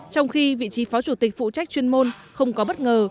trong khi vị trí phó chủ tịch phụ trách chuyên môn không có bất ngờ